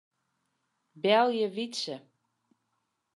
Belje Wytse.